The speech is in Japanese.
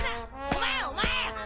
お前お前！